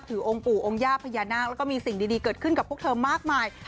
องค์ปู่องค์ย่าพญานาคแล้วก็มีสิ่งดีเกิดขึ้นกับพวกเธอมากมาย